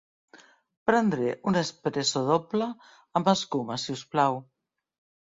Prendré un espresso doble amb escuma si us plau.